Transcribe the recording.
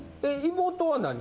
妹は何？